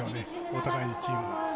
お互いにチームが。